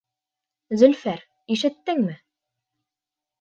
Зөлфәр, ишеттеңме?